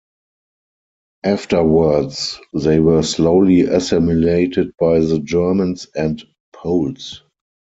Afterwards they were slowly assimilated by the Germans and Poles.